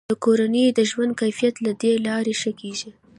د کورنیو د ژوند کیفیت له دې لارې ښه کیږي.